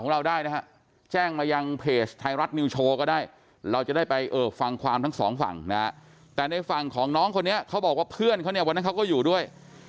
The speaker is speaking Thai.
เราได้นะฮะแจ้งมายังเพจไทยรัฐนิวโชว์ก็ได้เราจะได้ไปฟังความทั้งสองฝั่งนะแต่ในฝั่งของน้องคนนี้เขาบอกว่าเพื่อนเขาเนี่ยวันนั้นเขาก็อยู่ด้วย